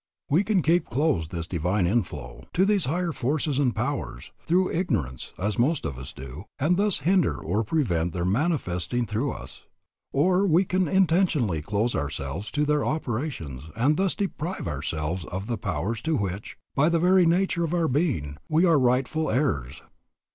We can keep closed to this divine inflow, to these higher forces and powers, through ignorance, as most of us do, and thus hinder or even prevent their manifesting through us. Or we can intentionally close ourselves to their operations and thus deprive ourselves of the powers to which, by the very nature of our being, we are rightful heirs.